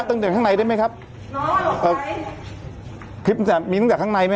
ตั้งจากข้างในได้ไหมครับน้องออกไว้คลิปมีตั้งจากข้างในไหมฮะ